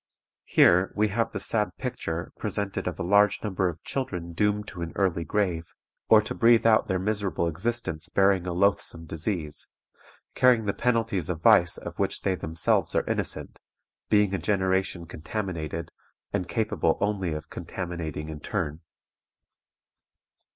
"Here we have the sad picture presented of a large number of children doomed to an early grave, or to breathe out their miserable existence bearing a loathsome disease, carrying the penalties of vice of which they themselves are innocent, being a generation contaminated, and capable only of contaminating in turn.